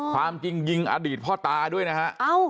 ความจริงยิงอดีตพ่อตาด้วยนะฮะ